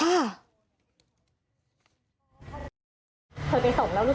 เธอไปส่งแล้วรู้สึกร้องไห้ไม่ไป